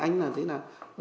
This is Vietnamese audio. anh là thế nào